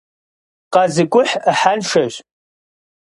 КъэзыкӀухь Ӏыхьэншэщ.